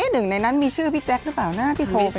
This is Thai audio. หนึ่งในนั้นมีชื่อพี่แจ๊คหรือเปล่านะที่โทรไป